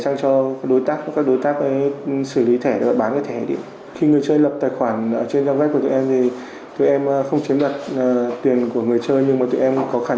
sau đó giao cho đối tượng duy và đối tượng nguyễn thành